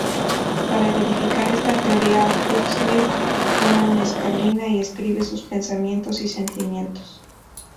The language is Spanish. Para verificar esta teoría, Huxley toma mescalina y escribe sus pensamientos y sentimientos.